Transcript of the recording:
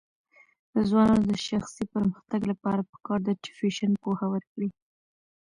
د ځوانانو د شخصي پرمختګ لپاره پکار ده چې فیشن پوهه ورکړي.